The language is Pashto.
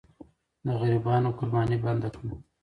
د غریبانو قرباني بنده کړه.